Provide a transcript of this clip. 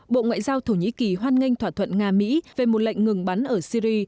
bộ ngoại giao thổ nhĩ kỳ hoan nghênh thỏa thuận nga mỹ về một lệnh ngừng bắn ở syri